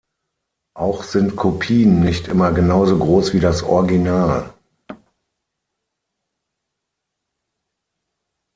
Auch sind Kopien nicht immer genau so groß wie das Original.